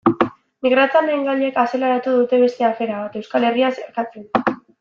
Migratzaileen gaiak azaleratu duen beste afera bat, Euskal Herria zeharkatzen.